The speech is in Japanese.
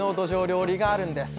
料理があるんです。